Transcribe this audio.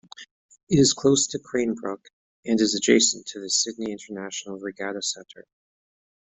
It is close to Cranebrook and is adjacent to the Sydney International Regatta Centre.